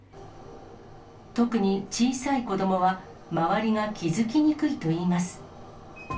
特に小さい子どもは、周りが気付きにくいといいます。